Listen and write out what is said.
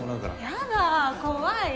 やだ怖い。